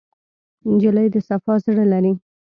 نجلۍ د صفا زړه لري.